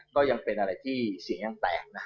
ก็ยังเป็นอะไรที่เสียงยังแตกนะ